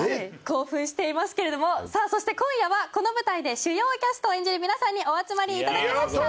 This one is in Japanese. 興奮していますけれどもさあそして今夜はこの舞台で主要キャストを演じる皆さんにお集まりいただきました